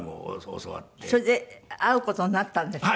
それで会う事になったんですって？